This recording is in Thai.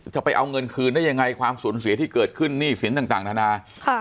จะเอาเงินคืนได้ยังไงความสูญเสียที่เกิดขึ้นหนี้สินต่างนานา